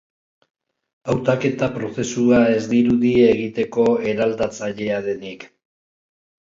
Hautaketa prozesua ez dirudi egiteko eraldatzailea denik.